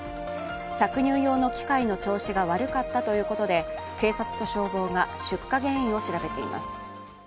搾乳用の機械の調子が悪かったということで警察と消防が出火原因を調べています。